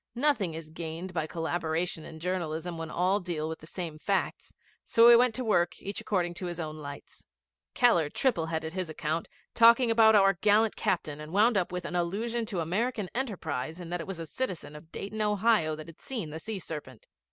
Nothing is gained by collaboration in journalism when all deal with the same facts, so we went to work each according to his own lights. Keller triple headed his account, talked about our 'gallant captain,' and wound up with an allusion to American enterprise in that it was a citizen of Dayton, Ohio, that had seen the sea serpent.